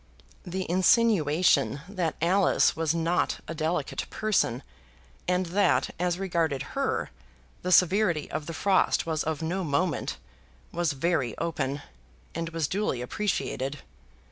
The insinuation that Alice was not a delicate person and that, as regarded her, the severity of the frost was of no moment, was very open, and was duly appreciated.